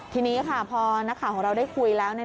ทีนี้ค่ะพอนักข่าวของเราได้คุยแล้ว